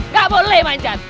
gak boleh manjat